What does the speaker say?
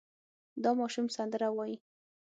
دا ماشوم سندره وايي.